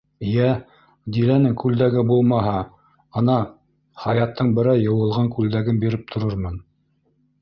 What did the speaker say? — Йә, Диләнең күлдәге булмаһа, ана, Хаяттың берәй йыуылған күлдәген биреп торормон.